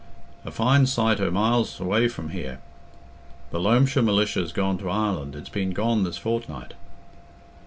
"A fine sight o' miles away from here. The Loamshire Militia's gone to Ireland; it's been gone this fortnight."